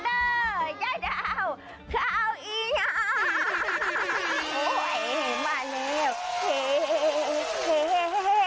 แดดเตอร์โมกวิคเจ้าเต้าเค้าอี่า